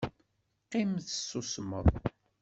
Qqim tessusmeḍ!